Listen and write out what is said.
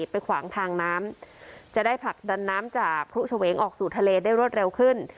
ขวางทางน้ำจะได้ผลักดันน้ำจากพลุเฉวงออกสู่ทะเลได้รวดเร็วขึ้น